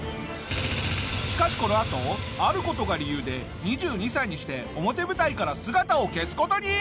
しかしこのあとある事が理由で２２歳にして表舞台から姿を消す事に。